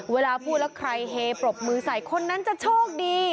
เวลาพูดแล้วใครเฮปรบมือใส่คนนั้นจะโชคดี